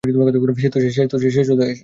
সে তো শেষ।